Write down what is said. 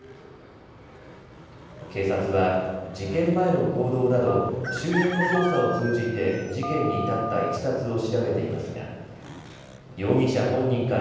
警察は、事件前の行動など周辺の捜査を通じて事件に至ったいきさつを調べていますが容疑者本人から